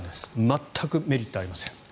全くメリットはありません。